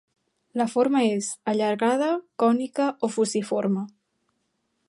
La forma és allargada, cònica o fusiforme.